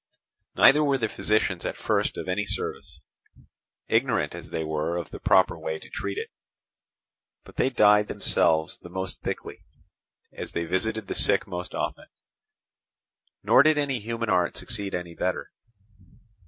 Neither were the physicians at first of any service, ignorant as they were of the proper way to treat it, but they died themselves the most thickly, as they visited the sick most often; nor did any human art succeed any better.